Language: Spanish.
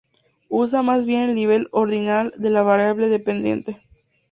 Usa más bien el nivel ordinal de la variable dependiente.